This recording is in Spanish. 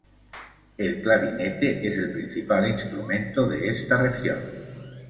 El clarinete es el principal instrumento de esta región.